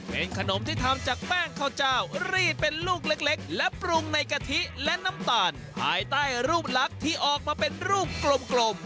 เป็นขนมที่ทำจากแป้งข้าวเจ้ารีดเป็นลูกเล็กและปรุงในกะทิและน้ำตาลภายใต้รูปลักษณ์ที่ออกมาเป็นรูปกลม